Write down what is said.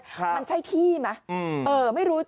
มันใช่ที่ไหม